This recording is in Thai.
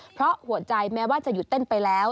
เพราะหัวใจแม้ว่าจะหยุดเต้นไปแล้ว